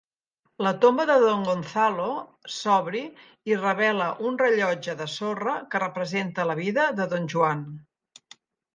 La tomba de Don Gonzalo s'obri i revela un rellotge de sorra que representa la vida de Don Juan.